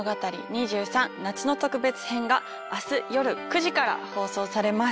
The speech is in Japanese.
’２３夏の特別編』が明日夜９時から放送されます。